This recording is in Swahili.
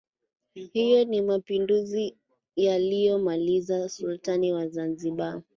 Hyo ni mapinduzi yaliyomaliza Usultani wa Zanzibar